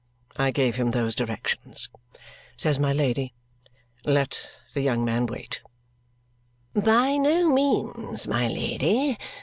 I gave him those directions," says my Lady. "Let the young man wait." "By no means, my Lady.